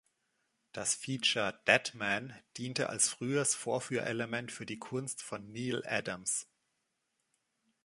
Das Feature „Deadman“ diente als frühes Vorführelement für die Kunst von Neal Adams.